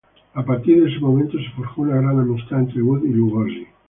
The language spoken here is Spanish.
A partir de ese momento, se forja una gran amistad entre Wood y Lugosi.